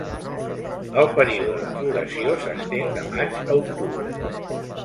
El període de floració s'estén de maig a octubre.